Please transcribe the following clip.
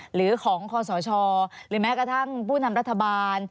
หรือของคอสชหรือแม้กระทั่งผู้นำรัฐบาล